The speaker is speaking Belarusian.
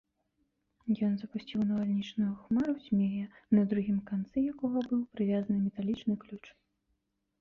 Ён запусціў у навальнічную хмару змея, на другім канцы якога быў прывязаны металічны ключ.